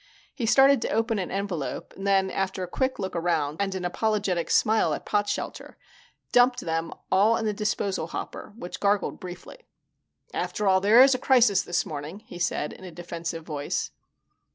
He started to open an envelope, then, after a quick look around and an apologetic smile at Potshelter, dumped them all on the disposal hopper, which gargled briefly. "After all, there is a crisis this morning," he said in a defensive voice.